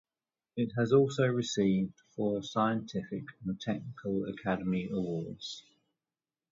It has also received four Scientific and Technical Academy Awards.